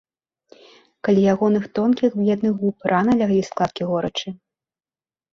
Каля ягоных тонкіх бледных губ рана леглі складкі горычы.